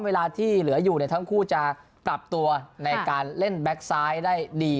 เวลาที่เหลืออยู่ทั้งคู่จะปรับตัวในการเล่นแบ็คซ้ายได้ดี